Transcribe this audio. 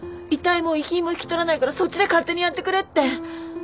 「遺体も遺品も引き取らないからそっちで勝手にやってくれ」って。